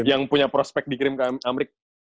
yang punya prospek dikirim ke amerika